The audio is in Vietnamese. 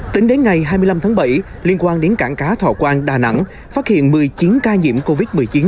tính đến ngày hai mươi năm tháng bảy liên quan đến cảng cá thọ quang đà nẵng phát hiện một mươi chín ca nhiễm covid một mươi chín